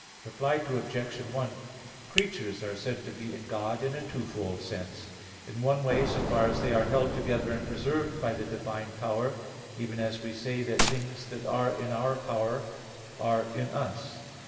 Reply Obj. 1: Creatures are said to be in God in a twofold sense. In one way, so far are they are held together and preserved by the divine power; even as we say that things that are in our power are in us.